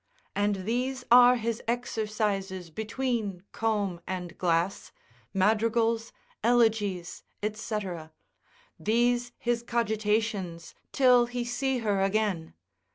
And these are his exercises between comb and glass, madrigals, elegies, &c., these his cogitations till he see her again.